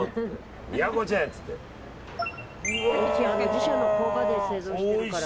自社の工場で製造してるから。